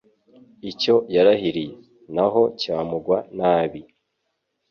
icyo yarahiriye n’aho cyamugwa nabi